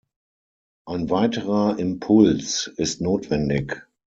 Ein weiterer Impuls ist notwendig.